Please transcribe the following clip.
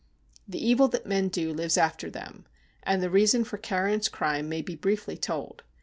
' The evil that men do lives after them,' and the reason for Carron's crime maybe briefly told.